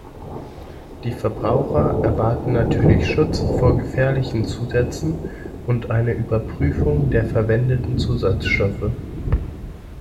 Die Verbraucher erwarten natürlich Schutz vor gefährlichen Zusätzen und eine Überprüfung der verwendeten Zusatzstoffe.